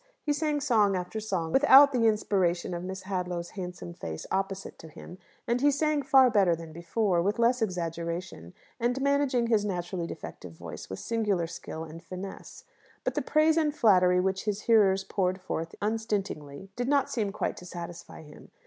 He sang song after song without the inspiration of Miss Hadlow's handsome face opposite to him; and he sang far better than before; with less exaggeration, and managing his naturally defective voice with singular skill and finesse. But the praise and flattery which his hearers poured forth unstintingly did not seem quite to satisfy him.